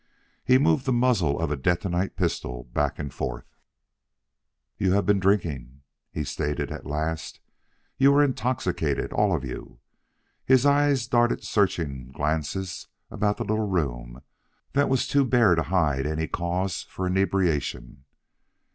He moved the muzzle of a detonite pistol back and forth. "You haff been drinking!" he stated at last. "You are intoxicated all of you!" His eyes darted searching glances about the little room that was too bare to hide any cause for inebriation.